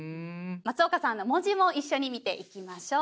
松岡さんの文字も一緒に見ていきましょう。